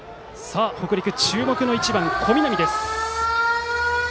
北陸、注目の１番バッター小南です。